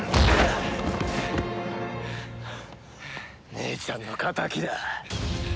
姉ちゃんの仇だ。